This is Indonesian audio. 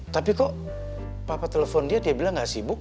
tapi kok papa telepon dia dia bilang gak sibuk